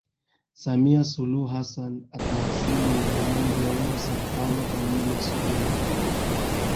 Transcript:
Samia Suluhu Hassan atawasili Wilayani Gairo saa tano kamili asubuhi